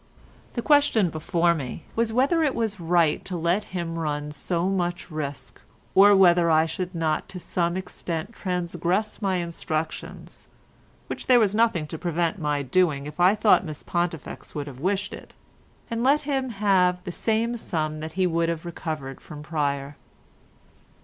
The question before me was whether it was right to let him run so much risk, or whether I should not to some extent transgress my instructions—which there was nothing to prevent my doing if I thought Miss Pontifex would have wished it—and let him have the same sum that he would have recovered from Pryer.